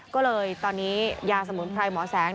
ก็เลยตอนนี้ยาสมุนไพรหมอแสง